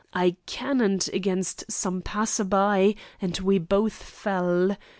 I cannoned against some passer by and we both fell.